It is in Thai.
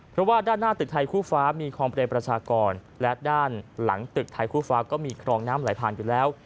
เพราะว่าด้านหน้าตึกไทยคู่ฟ้ามีคลองเปรมประชากรและด้านหลังตึกไทยคู่ฟ้าก็มีคลองน้ำไหลผ่านอยู่แล้ว